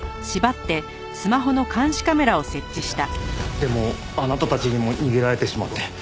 でもあなたたちにも逃げられてしまって。